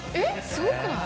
すごくない？